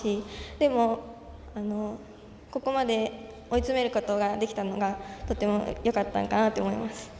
でも、ここまで追い詰めることができたのがとてもよかったのかなと思います。